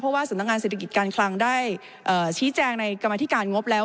เพราะว่าสำนักงานเศรษฐกิจการคลังได้ชี้แจงในกรรมธิการงบแล้ว